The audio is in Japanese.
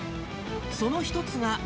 その一つが。